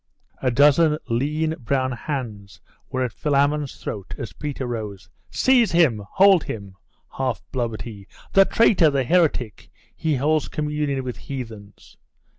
A dozen lean brown hands were at Philammon's throat as Peter rose. 'Seize him! hold him!' half blubbered he. 'The traitor! the heretic! He holds communion with heathens!